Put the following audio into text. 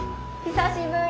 久しぶり！